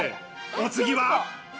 お次は。